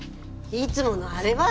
いつものあれは？